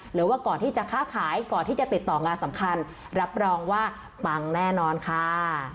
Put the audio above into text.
หรือว่าก่อนที่จะค้าขายก่อนที่จะติดต่องานสำคัญรับรองว่าปังแน่นอนค่ะ